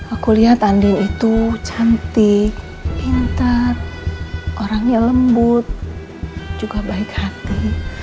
aku lihat andin itu cantik pintar orangnya lembut juga baik hati